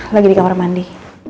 lagi di kamar mandi